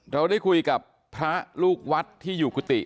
เราได้คุยกับพระลูกวัดที่อยู่กุฏิ